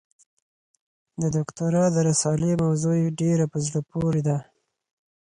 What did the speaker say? د دوکتورا د رسالې موضوع یې ډېره په زړه پورې ده.